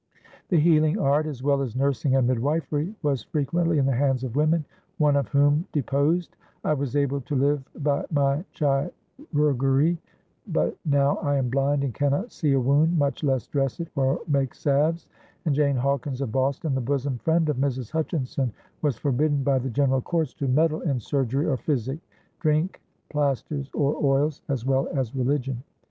The healing art, as well as nursing and midwifery, was frequently in the hands of women, one of whom deposed: "I was able to live by my chirurgery, but now I am blind and cannot see a wound, much less dress it or make salves"; and Jane Hawkins of Boston, the "bosom friend" of Mrs. Hutchinson, was forbidden by the general courts "to meddle in surgery or physic, drink, plaisters or oils," as well as religion.